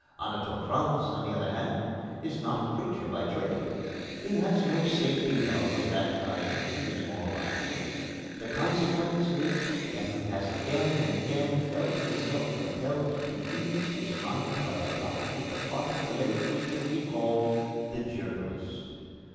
Anatole France, on the other hand, is not a preacher by trade. He has no safety valve of that kind for his moralisings. The consequence is that he has again and again felt himself compelled to ease his mind by adopting the part of the lay preacher we call the journalist.